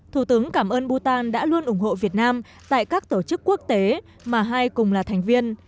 thủ tướng cảm ơn bhutan đã luôn ủng hộ việt nam tại các tổ chức quốc tế mà hai cùng là thành viên